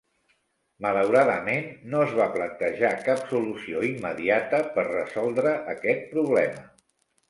Malauradament, no es va plantejar cap solució immediata per resoldre aquest problema.